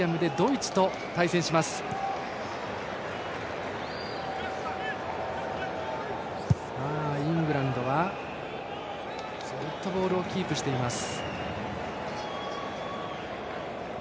イングランドがずっとボールをキープしています。